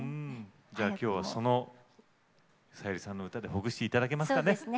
きょうはさゆりさんの歌でほぐしていただけますかね。